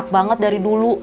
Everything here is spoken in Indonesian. pengen banget dari dulu